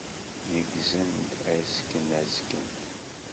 Neggzen-d azgen azgen.